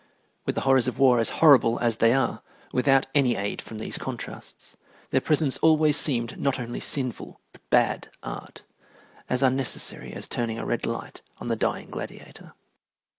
With the horrors of war as horrible as they are without any aid from these contrasts, their presence always seemed not only sinful but bad art; as unnecessary as turning a red light on the dying gladiator.